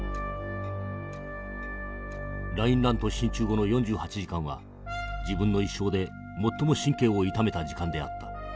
「ラインラント進駐後の４８時間は自分の一生で最も神経を痛めた時間であった。